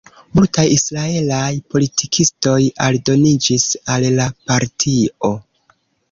Multaj israelaj politikistoj aldoniĝis al la partio.